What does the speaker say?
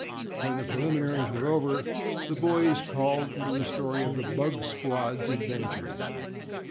When the preliminaries were over the boys called for the story of the "bug squad's" adventures.